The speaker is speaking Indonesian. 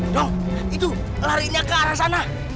dong itu larinya ke arah sana